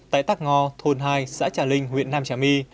tại tắc ngo thôn hai xã trà linh huyện nam trà my